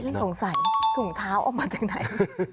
ฉันสงสัยถุงเท้าออกมาจากไหน